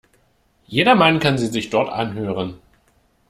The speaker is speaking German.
Jedermann kann sie sich dort anhören.